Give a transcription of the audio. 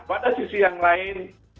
pada sisi yang lain